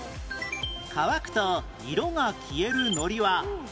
乾くと色が消えるのりはなんだろう？